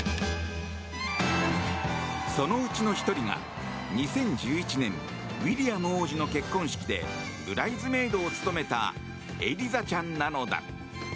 そのうちの１人が２０１１年ウィリアム王子の結婚式でブライズメイドを務めたエリザちゃんなのだ。